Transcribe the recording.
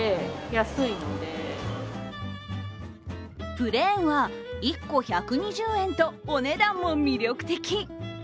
プレーンは１個１２０円とお値段も魅力的。